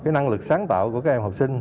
năng lực sáng tạo của các em học sinh